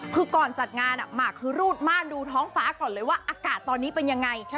คือก่อนจัดงานหมากคือรูดม่านดูท้องฟ้าก่อนเลยว่าอากาศตอนนี้เป็นยังไง